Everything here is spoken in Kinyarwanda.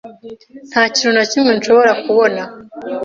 Nta kintu na kimwe nshobora kubona